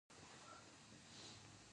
دوی د مشوره ورکولو ځانګړی امتیاز هم درلود.